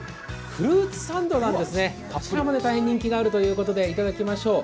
フルーツサンドなんですね、こちらも大変人気があるということでいただきましょう。